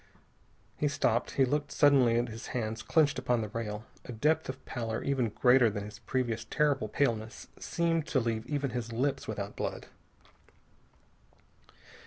He stopped. He looked suddenly at his hands, clenched upon the rail. A depth of pallor even greater than his previous terrible paleness seemed to leave even his lips without blood.